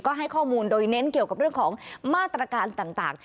ก็ให้ข้อมูลโดยเน้นเกี่ยวกับเรื่องของมาตรการต่าง